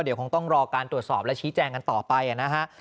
เดี๋ยวคงต้องรอการตรวจสอบและชี้แจงกันต่อไปนะฮะ